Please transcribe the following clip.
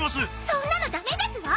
そんなのダメですわ